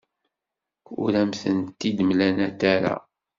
Ur am-tent-id-mlant ara.